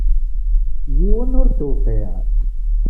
Yiwen ur t-tewqiɛ.